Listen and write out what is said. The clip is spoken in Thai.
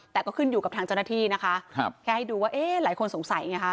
แต่ก็ขึ้นอยู่กับทางเจ้าหน้าที่นะคะแค่ให้ดูว่าหลายคนสงสัย